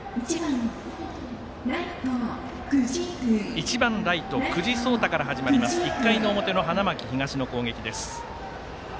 １番ライト久慈颯大から始まる１回の表の花巻東の攻撃です。